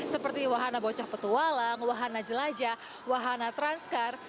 seperti wahana bocah petualang wahana jelajah wahana transkar